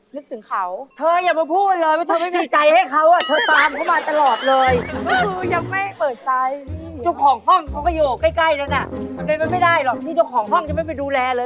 ที่เจ้าของห้องยังไม่ไปดูแลเลย